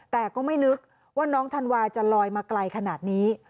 แต่ก็ไม่นึกว่าน้องธันวาจะลอยมาไกลขนาดนี้